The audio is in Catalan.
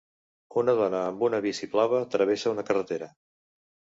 Una dona amb una bici blava travessa una carretera.